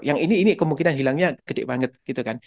yang ini kemungkinan hilangnya gede banget gitu kan